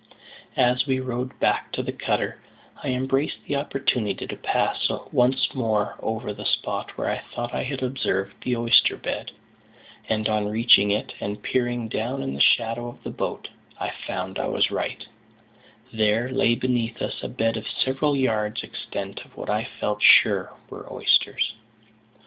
As we rowed back to the cutter, I embraced the opportunity to pass once more over the spot where I thought I had observed the oyster bed; and, on reaching it, and peering down in the shadow of the boat, I found I was right: there lay beneath us a bed of several yards extent of what I felt sure were oysters.